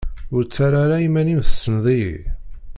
Ur ttarra ara iman-im tessneḍ-iyi.